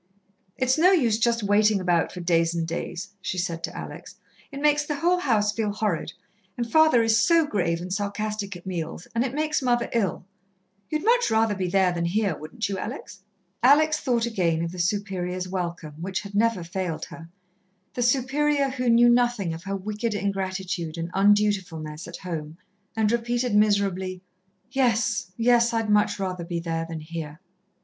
"It's no use just waiting about for days and days," she said to Alex. "It makes the whole house feel horrid, and father is so grave and sarcastic at meals, and it makes mother ill. You'd much rather be there than here, wouldn't you, Alex?" Alex thought again of the Superior's welcome, which had never failed her the Superior who knew nothing of her wicked ingratitude and undutifulness at home, and repeated miserably: "Yes, yes, I'd much rather be there than here."